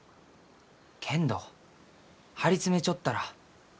けんど張り詰めちょったら速う